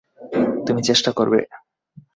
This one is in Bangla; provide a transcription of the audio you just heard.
তুমি চেষ্টা করবে?